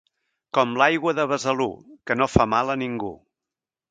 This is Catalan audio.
Com l'aigua de Besalú, que no fa mal a ningú.